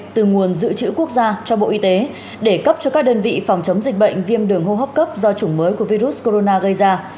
từ nguồn dự trữ quốc gia cho bộ y tế để cấp cho các đơn vị phòng chống dịch bệnh viêm đường hô hấp cấp do chủng mới của virus corona gây ra